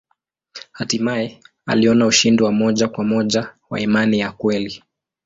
Hatimaye aliona ushindi wa moja kwa moja wa imani ya kweli.